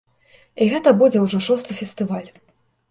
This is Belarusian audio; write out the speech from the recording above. І гэта будзе ўжо шосты фестываль.